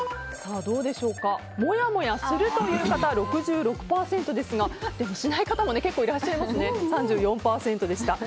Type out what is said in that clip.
もやもやするという方６６％ですがしない方も結構いらっしゃいますね３４％でした。